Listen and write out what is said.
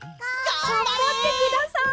がんばってください。